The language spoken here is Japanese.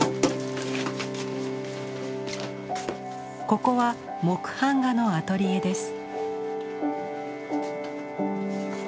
ここは木版画のアトリエです。